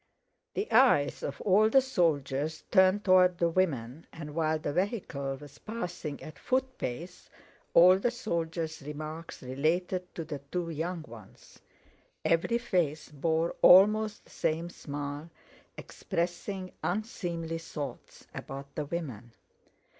The eyes of all the soldiers turned toward the women, and while the vehicle was passing at foot pace all the soldiers' remarks related to the two young ones. Every face bore almost the same smile, expressing unseemly thoughts about the women.